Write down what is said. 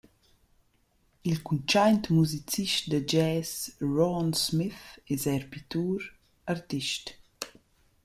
Il cuntschaint musicist da jazz Rowan Smith es eir pittur-artist.